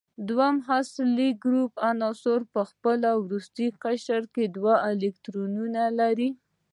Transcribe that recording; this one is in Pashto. د دویم اصلي ګروپ عناصر په خپل وروستي قشر کې دوه الکترونونه لري.